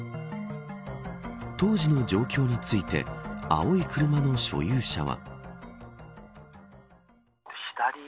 当時の状況について青い車の所有者は。